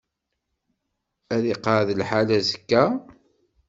Ad iqeɛɛed lḥal azekka?